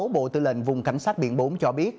bộ tư lệnh vùng cảnh sát biển bốn cho biết